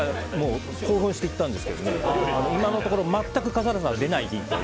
興奮していったんですけども今のところ全く笠原さんは出なくていいと。